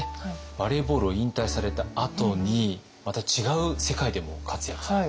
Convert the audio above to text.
バレーボールを引退されたあとにまた違う世界でも活躍されて。